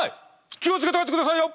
気を付けて帰ってくださいよ！